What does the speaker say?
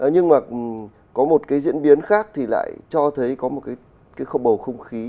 nhưng mà có một cái diễn biến khác thì lại cho thấy có một cái khâu bầu không khí